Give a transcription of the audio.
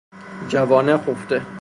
جوانه خفته